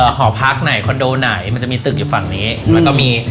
หอพักไหนคอนโดไหนมันจะมีตึกอยู่ฝั่งนี้มันก็มี